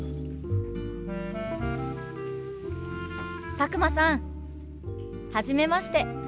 佐久間さんはじめまして。